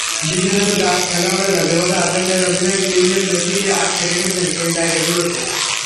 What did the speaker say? বিশেষত ডাচ খেলোয়াড়েরা যেভাবে আর্জেন্টাইন অধিনায়ক লিওনেল মেসিকে আটকে রেখেছিলেন, সেই জায়গাগুলো।